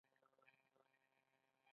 دوی د سولې په چارو کې مرسته کوي.